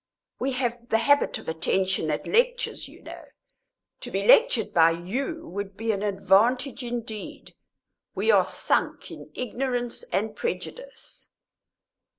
"We have the habit of attention at lectures, you know. To be lectured by you would be an advantage indeed. We are sunk in ignorance and prejudice."